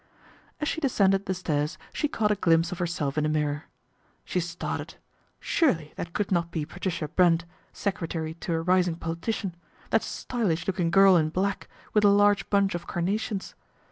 As she descended the stairs she caught a glimpse of herself in a mirror. She started. Surely that could not be Patricia Brent, secretary to a rising politician, that stylish looking girl in black, with a large bunch of carnations.